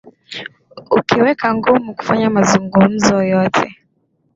ukiweka ngumu kufanya mazungumzo yoyote